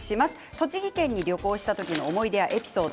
栃木県に旅行した時の思い出やエピソード